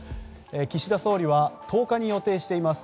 岸田総理は１０日に予定しています